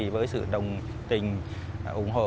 với sự đồng tình ủng hộ